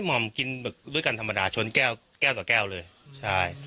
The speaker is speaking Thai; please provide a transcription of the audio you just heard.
มอมแบบด้วยกันธรรมดาชวนแก้วแก้วต่อแก้วเลยใช่อ่า